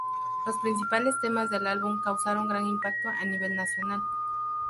Los principales temas del álbum causaron gran impacto a nivel nacional.